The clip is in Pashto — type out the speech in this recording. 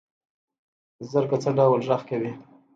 زرکه څه ډول غږ کوي؟